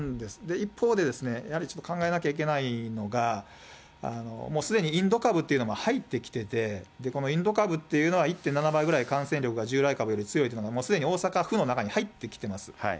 一方でですね、やはりちょっと考えなきゃいけないのが、もうすでにインド株というのが入ってきてて、このインド株っていうのは、１．７倍ぐらい感染力が従来株よりも強いというのが、もうすでに大阪府の中に入ってきてます。